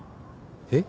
えっ？